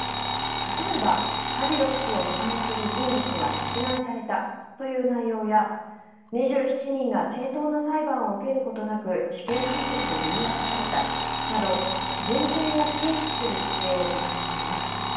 例えば、カディロフ氏を批判する人物が殺害されたという内容や２７人が正当な裁判を受けることなく死刑判決を言い渡されたなど人権を軽視する姿勢を批判しています。